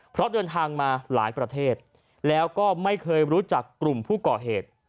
เพราะเดินทางมาหลายประเทศแล้วก็ไม่เคยรู้จักกลุ่มผู้ก่อเหตุ